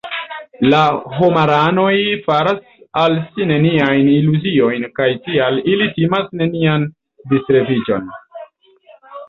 La homaranoj faras al si neniajn iluziojn kaj tial ili timas nenian disreviĝon.